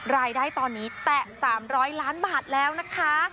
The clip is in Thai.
รายได้ตอนนี้แตะ๓๐๐ล้านบาทแล้วนะคะ